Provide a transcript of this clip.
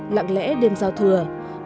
lặng lẽ đêm giao thông